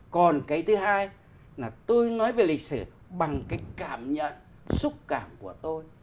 còn cái thứ hai là tôi nói về lịch sử bằng cái cảm nhận xúc cảm của tôi